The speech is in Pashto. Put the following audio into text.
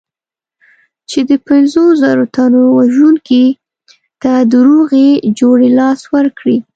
چې د پنځو زرو تنو وژونکي ته د روغې جوړې لاس ورکړي.